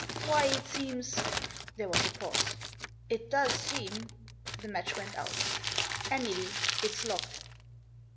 "Why, it seems—*" There was a pause. "It does seem — The match Weht out, " Emily, it's locked."